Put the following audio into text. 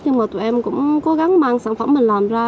nhưng mà tụi em cũng cố gắng mang sản phẩm mình làm ra